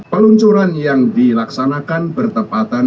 peluncuran yang dilaksanakan bertepatan